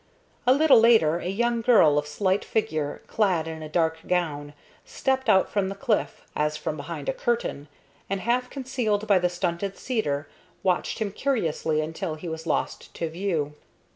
A little later a young girl of slight figure, clad in a dark gown, stepped out from the cliff, as from behind a curtain, and, half concealed by the stunted cedar, watched him curiously until he was lost to view.